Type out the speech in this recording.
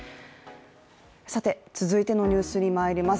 続いてのニュースにまいります。